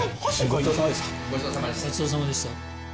ごちそうさまでした。